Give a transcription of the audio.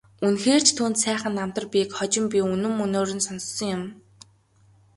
Үнэхээр ч түүнд сайхан намтар бийг хожим би үнэн мөнөөр нь сонссон юм.